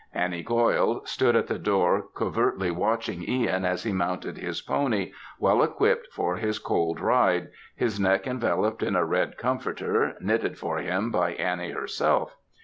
Annie Goil stood at the door covertly watching Ihan as he mounted his pony, well equipt for his cold ride, his neck enveloped in a red comforter, knitted for him by Annie herself.